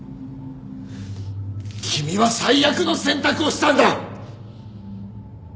君は最悪の選択をしたんだ！